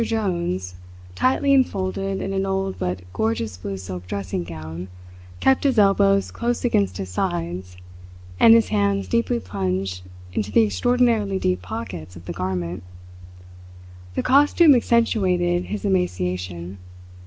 Jones, tightly enfolded in an old but gorgeous blue silk dressing gown, kept his elbows close against his sides and his hands deeply plunged into the extraordinarily deep pockets of the garment. The costume accentuated his emaciation.